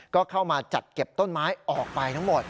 ก็เข้ามาจัดเก็บต้นไม้ออกไปทั้งหมด